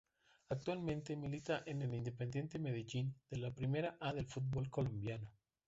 Actualmente milita en el Independiente Medellín de la Primera A del fútbol Colombiano.